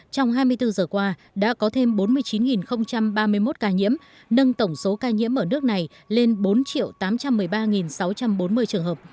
trong hai mươi bốn giờ qua đã có thêm bốn mươi chín ba mươi một ca nhiễm nâng tổng số ca nhiễm ở nước này lên bốn tám trăm một mươi ba sáu trăm bốn mươi trường hợp